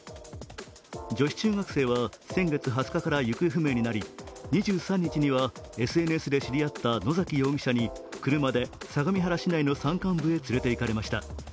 女子中学生は、先月２０日から行方不明になり２３日にはＳＮＳで知り合った野崎容疑者に車で相模原市内の山間部に連れて行かれました。